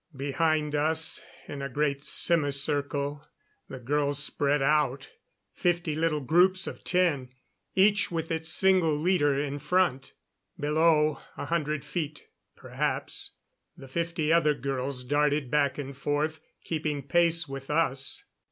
Behind us, in a great semicircle, the girls spread out, fifty little groups of ten, each with its single leader in front. Below, a hundred feet perhaps, the fifty other girls darted back and forth, keeping pace with us.